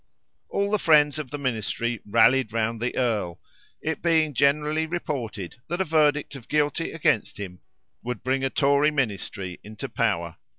All the friends of the ministry rallied around the earl, it being generally reported that a verdict of guilty against him would bring a Tory ministry into power.